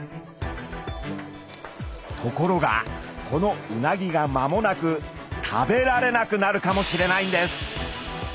ところがこのうなぎが間もなく食べられなくなるかもしれないんです。